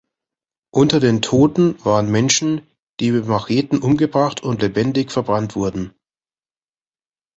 Unter den Toten waren Menschen, die mit Macheten umgebracht und lebendig verbrannt wurden.